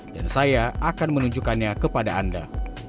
dan saya akan menunjukkannya kepada anda